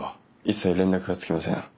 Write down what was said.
一切連絡がつきません。